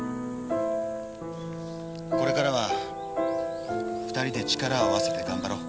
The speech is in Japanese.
これからは２人で力を合わせて頑張ろう。